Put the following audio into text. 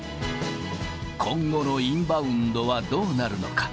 今後のインバウンドはどうなるのか。